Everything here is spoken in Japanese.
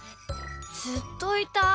ずっといた？